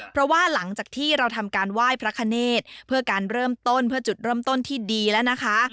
เพราะว่าหลังจากที่เราทำการไหว้พระคเนธเพื่อการเริ่มต้นเพื่อจุดเริ่มต้นที่ดีแล้วนะคะ